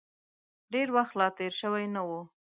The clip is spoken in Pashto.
ډېر وخت لا تېر شوی نه و.